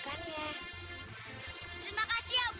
terus mana nenek kamu